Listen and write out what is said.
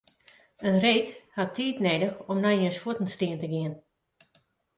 In reed hat tiid nedich om nei jins fuotten stean te gean.